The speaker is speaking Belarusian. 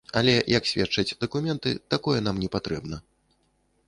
Але, як сведчаць дакументы, такое нам не патрэбна.